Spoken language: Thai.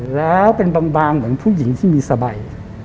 แล้วเป็นบางเหมือนผู้หญิงที่มีสบาย